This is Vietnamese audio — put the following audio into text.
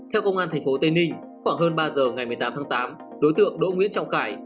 theo công an tp tây ninh khoảng hơn ba giờ ngày một mươi tám tháng tám đối tượng đỗ nguyễn trọng khải